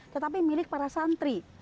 tetapi milik para santri